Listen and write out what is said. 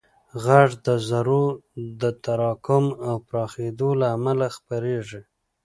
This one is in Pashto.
غږ د ذرّو د تراکم او پراخېدو له امله خپرېږي.